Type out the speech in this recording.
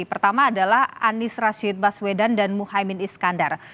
pertama adalah anies rashid baswedan dan muhaymin iskandar